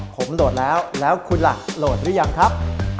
ผมโหลดแล้วแล้วคุณล่ะโหลดหรือยังครับ